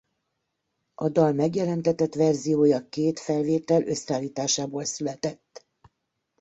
A dal megjelentetett verziója két felvétel összeállításából született.